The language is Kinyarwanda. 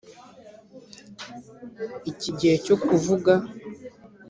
iki gihe cyo kuvuga